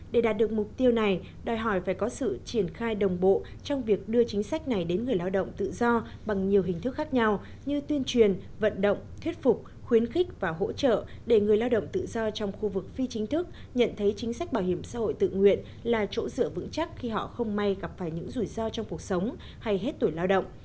để đạt được mục tiêu này đòi hỏi phải có sự triển khai đồng bộ trong việc đưa chính sách này đến người lao động tự do bằng nhiều hình thức khác nhau như tuyên truyền vận động thuyết phục khuyến khích và hỗ trợ để người lao động tự do trong khu vực phi chính thức nhận thấy chính sách bảo hiểm xã hội tự nguyện là chỗ dựa vững chắc khi họ không may gặp phải những rủi ro trong cuộc sống hay hết tuổi lao động